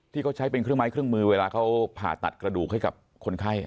ที่เขาใช้เป็นเครื่องไม้เครื่องมือเวลาเขาผ่าตัดกระดูกให้กับคนไข้